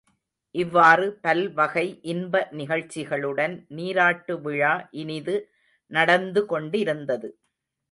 இவ்வாறு பல்வகை இன்ப நிகழ்ச்சிகளுடன் நீராட்டு விழா இனிது நடந்து கொண்டிருந்தது.